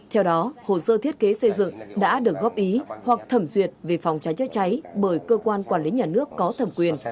theo đó hồ sơ thiết kế xây dựng đã được góp ý hoặc thẩm duyệt về phòng cháy chữa cháy bởi cơ quan quản lý nhà nước có thẩm quyền